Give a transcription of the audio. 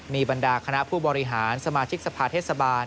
มีบรรดาคณะผู้บริหารสมาชิกสภาเทศบาล